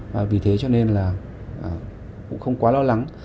và vì thế cho nên là cũng không quá lo lắng